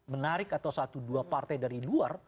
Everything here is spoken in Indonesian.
menarik atau satu dua partai dari luar